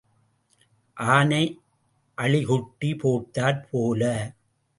ஆனை அழிகுட்டி போட்டாற் போல.